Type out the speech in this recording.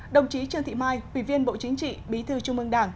đồng chí trương thị mai ủy viên bộ chính trị bí thư trung ương đảng